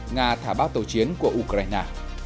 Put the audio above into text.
nga thả bác tàu chiến của ukraine